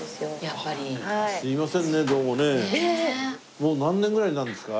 もう何年ぐらいになるんですか？